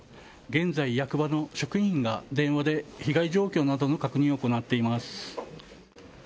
現在、役場の職員が電話で被害状況などの確認を行っています。